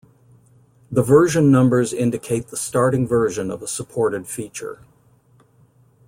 The version numbers indicate the starting version of a supported feature.